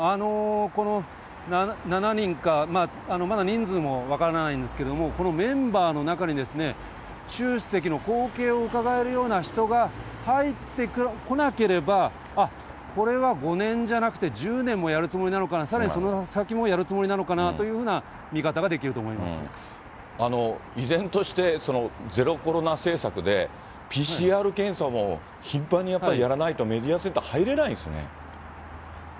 この７人か、まだ人数も分からないんですけれども、このメンバーの中に、習主席の後継をうかがえるような人が入ってこなければ、あっ、これは５年じゃなくて１０年もやるつもりなのかな、さらにその先もやるつもりなのかなというふうな見方ができると思依然として、ゼロコロナ政策で、ＰＣＲ検査も頻繁にやっぱりやらないとメディアセンター、入れないんですね。